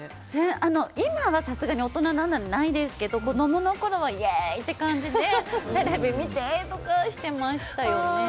今はさすがに大人なのでないですけど子供のころはイエーイって感じでテレビ見てとかしてましたよね。